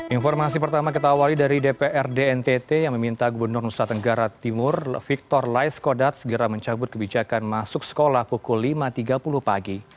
informasi pertama kita awali dari dprd ntt yang meminta gubernur nusa tenggara timur victor laiskodat segera mencabut kebijakan masuk sekolah pukul lima tiga puluh pagi